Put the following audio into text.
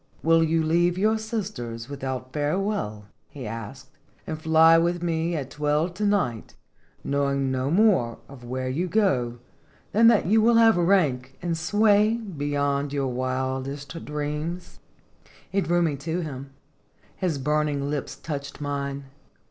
"Will you leave your sisters without fare well," he asked, " and fly with me at twelve to night, knowing no more of where you go than that you will have rank and sway be yond your wildest dreams?" He drew me to him ; his burning lips touched mine.